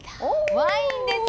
ワインです！